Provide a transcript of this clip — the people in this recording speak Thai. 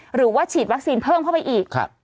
หรือว่าฉีดวัคซีนเพิ่มเข้าไปอีก